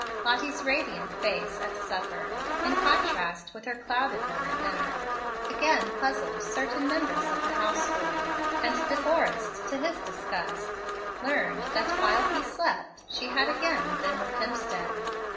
Lottie's radiant face at supper, in contrast with her clouded one at dinner, again puzzled certain members of the household; and De Forrest, to his disgust, learned that while he slept she had again been with Hemstead.